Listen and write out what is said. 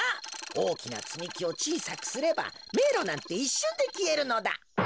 おおきなつみきをちいさくすればめいろなんていっしゅんできえるのだ。